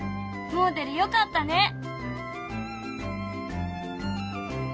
もおでるよかったね。